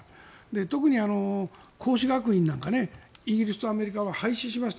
特に孔子学院なんかねイギリスとアメリカは廃止しました。